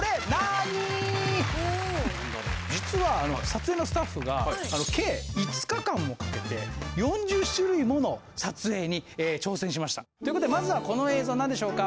実は撮影のスタッフが計５日間もかけて４０種類もの撮影に挑戦しました！ということでまずはこの映像何でしょうか？